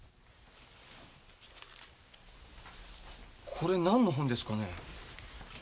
これ何の本ですかね？